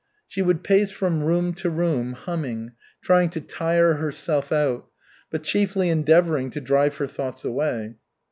She would pace from room to room, humming, trying to tire herself out, but chiefly endeavoring to drive her thoughts away.